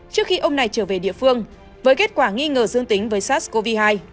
trước khi ông này trở về địa phương với kết quả nghi ngờ dương tính với sars cov hai